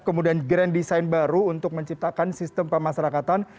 kemudian grand design baru untuk menciptakan sistem pemasarakatan